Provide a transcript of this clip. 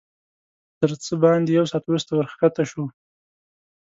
تر څه باندې یو ساعت وروسته ورښکته شوو.